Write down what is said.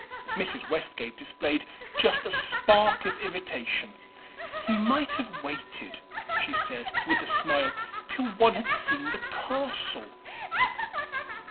Mrs. Westgate displayed just a spark of irritation. "He might have waited," she said with a smile, "till one had seen the castle."